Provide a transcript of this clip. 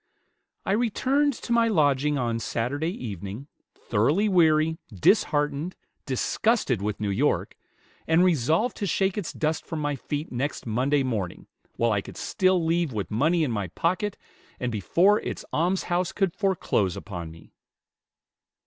"I returned to my lodging on Saturday evening, thoroughly weary, disheartened, disgusted with New York, and resolved to shake its dust from my feet next Monday morning, while I could still leave with money in my pocket, and before its almshouse could foreclose upon me."